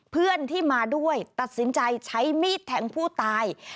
เพื่อนที่มาด้วยตัดสินใจใช้มีดแทงผู้ตาย